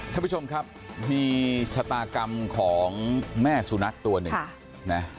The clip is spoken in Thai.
ท่านผู้ชมครับมีชะตากรรมของแม่สุนัขตัวหนึ่งนะ